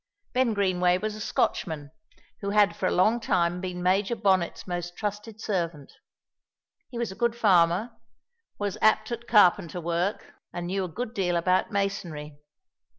Ben Greenway was a Scotchman, who had for a long time been Major Bonnet's most trusted servant. He was a good farmer, was apt at carpenter work, and knew a good deal about masonry.